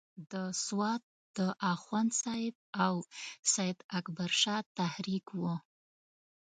د سوات د اخوند صاحب او سید اکبر شاه تحریک وو.